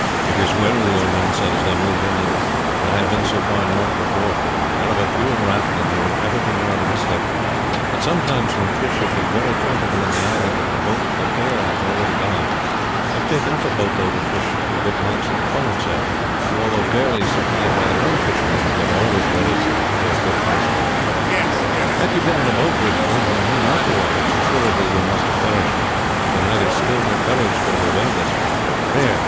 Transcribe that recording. "It is well," the old man said, as they moved inland, "that I have been so far north before; there are but few in Rathlin who have even been north of Islay, but sometimes when fish have been very plentiful in the island, and the boat for Ayr had already gone, I have taken up a boatload of fish to the good monks of Colonsay, who, although fairly supplied by their own fishermen, were yet always ready to pay a good price for them. Had you been in a boat with one who knew not the waters, assuredly we must have perished, for neither skill nor courage could have availed us. There!